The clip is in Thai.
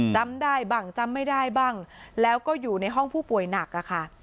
จำได้บ้างจำไม่ได้บ้างแล้วก็อยู่ในห้องผู้ป่วยหนักอะค่ะ